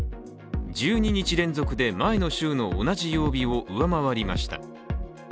１２日連続で前の週の同じ曜日を上回りました。